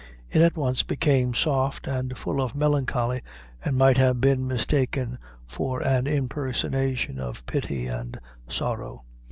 It at once became soft and full of melancholy, and might have been mistaken for an impersonation of pity and sorrow.